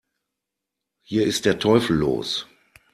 Hier ist der Teufel los!